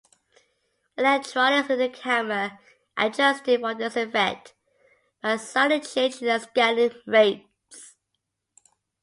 Electronics in the camera adjusted for this effect by slightly changing the scanning rates.